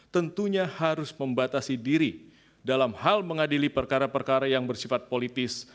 tentunya harus membatasi diri dalam hal mengadili perkara perkara yang bersifat politis